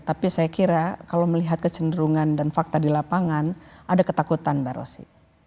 tapi saya kira kalau melihat kecenderungan dan fakta di lapangan ada ketakutan mbak rosy